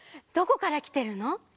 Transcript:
どこからきてるの？